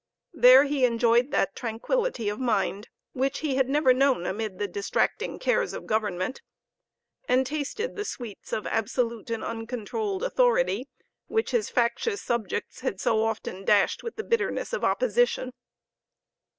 There he enjoyed that tranquillity of mind which he had never known amid the distracting cares of government, and tasted the sweets of absolute and uncontrolled authority, which his factious subjects had so often dashed with the bitterness of opposition.